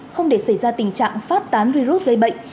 không để xảy ra tình trạng phát tán virus gây bệnh